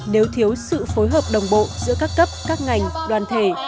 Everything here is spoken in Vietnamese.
nếu thiếu sự phối hợp đồng bộ giữa các cấp các ngành đoàn thể